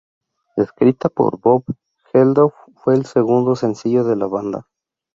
Escrita por Bob Geldof, fue el segundo sencillo de la banda.